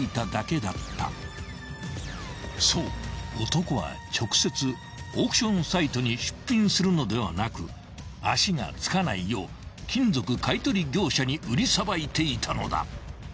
［そう男は直接オークションサイトに出品するのではなく足がつかないよう金属買い取り業者に売りさばいていたのだ］